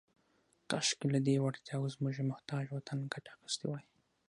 « کاشکې، لهٔ دې وړتیاوو زموږ محتاج وطن ګټه اخیستې وای. »